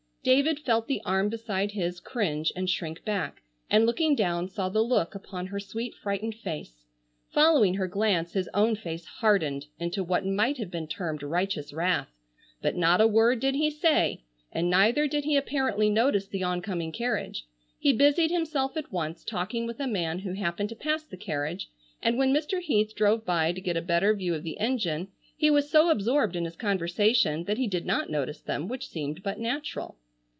David felt the arm beside his cringe, and shrink back, and looking down saw the look upon her sweet frightened face; following her glance his own face hardened into what might have been termed righteous wrath. But not a word did he say, and neither did he apparently notice the oncoming carriage. He busied himself at once talking with a man who happened to pass the carriage, and when Mr. Heath drove by to get a better view of the engine he was so absorbed in his conversation that he did not notice them, which seemed but natural.